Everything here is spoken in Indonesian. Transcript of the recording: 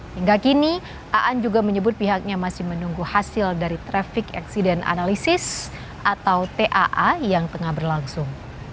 hingga kini aan juga menyebut pihaknya masih menunggu hasil dari traffic accident analysis atau taa yang tengah berlangsung